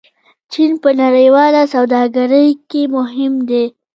چین په نړیواله سوداګرۍ کې مهم دی.